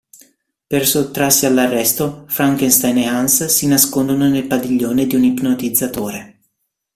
Per sottrarsi all’arresto, Frankenstein e Hans si nascondono nel padiglione di un ipnotizzatore.